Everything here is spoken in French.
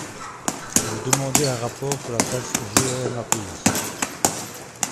Vous demandez un rapport sur la taxe GEMAPI.